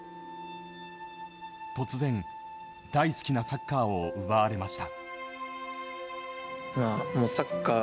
突然、大好きなサッカーを奪われました。